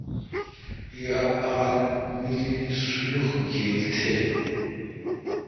یا اج ملی سلیخ گیل تھے۔